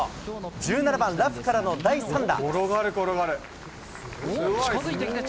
１７番ラフからの第３打。